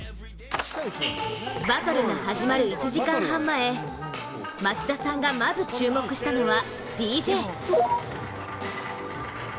バトルが始まる１時間半前松田さんがまず注目したのはＤＪ。